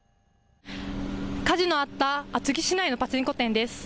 火事のあった厚木市内のパチンコ店です。